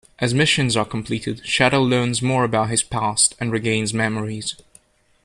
As missions are completed, Shadow learns more about his past and regains memories.